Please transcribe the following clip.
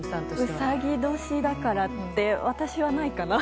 うさぎ年だからって私はないかな。